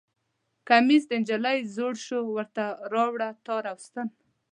کمیس د نجلۍ زوړ شو ورته راوړه تار او ستن